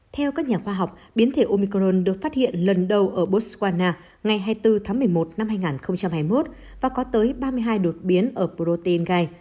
theo các nhà khoa học biến thể omicron được phát hiện lần đầu ở botswana ngày hai mươi bốn tháng một mươi một năm hai nghìn hai mươi một và có tới ba mươi hai đột biến ở protein gai